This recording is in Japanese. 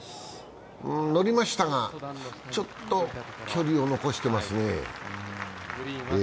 乗りましたが、ちょっと距離を残していますね。